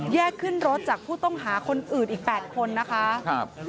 ขึ้นรถจากผู้ต้องหาคนอื่นอีก๘คนนะคะครับ